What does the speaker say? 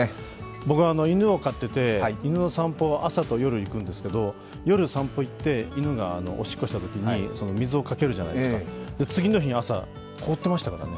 僕は犬を飼っていて犬の散歩夜と朝行くんですけど夜散歩に行って、犬がおしっこしたときに水をかけるじゃないですか、次の日朝、凍っていましたからね。